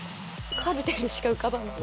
カルテルしか浮かばない。